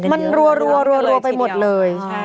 มันรัวไปหมดเลย